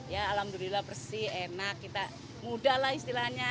ya alhamdulillah bersih enak kita mudah lah istilahnya